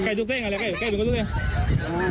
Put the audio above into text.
เพราะถูกทำร้ายเหมือนการบาดเจ็บเนื้อตัวมีแผลถลอก